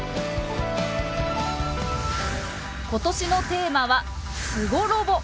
今年のテーマは「すごロボ」！